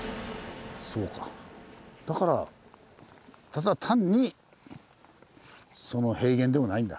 そうかだからただ単に平原でもないんだ。